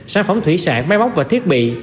sản phẩm thủy sản máy bóc và thiết bị